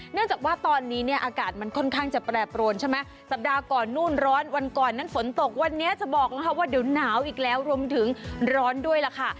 เนื่องจากว่าตอนนี้เนี่ยอากาศมันค่อนข้างจะแปรปรวนใช่ไหมสัปดาห์ก่อนนู่นร้อนวันก่อนนั้นฝนตกวันนี้จะบอกนะคะว่าเดี๋ยวหนาวอีกแล้วรวมถึงร้อนด้วยล่ะค่ะ